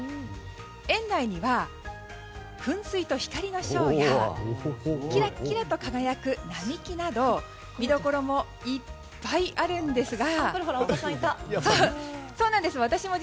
園内には噴水と光のショーやキラキラと輝く並木など見どころもいっぱいあるんですが。